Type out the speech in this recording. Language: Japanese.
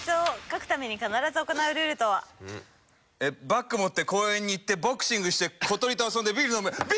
「バッグ持って公園に行ってボクシングして小鳥と遊んでビール飲む」ＢＫＢＫＢ！